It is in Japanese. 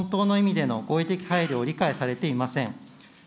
本当の意味での合理的配慮を理解されていません。